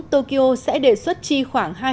tokyo sẽ đề xuất chi khoảng